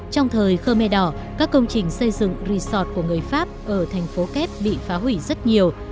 trong thời khơ me đỏ các công trình xây dựng resort của người pháp ở thành phố kép bị phá hủy rất nhiều